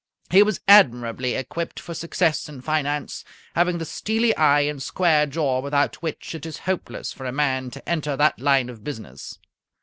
He was admirably equipped for success in finance, having the steely eye and square jaw without which it is hopeless for a man to enter that line of business.